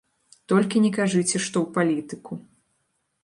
Толькі не кажыце, што ў палітыку.